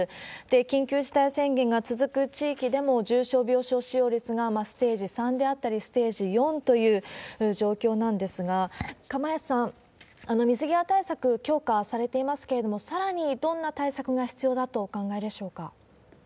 緊急事態宣言が続く地域でも、重症病床使用率がステージ３であったり、ステージ４という状況なんですが、釜萢さん、水際対策強化されていますけれども、さらにどんな対策が必要だとお考えでしょうか？